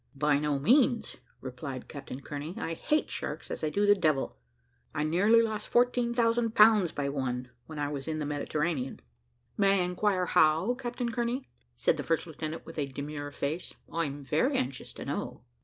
"By no means," replied Captain Kearney; "I hate sharks as I do the devil. I nearly lost 14,000 pounds by one, when I was in the Mediterranean." "May I inquire how, Captain Kearney;" said the first lieutenant, with a demure face; "I'm very anxious to know."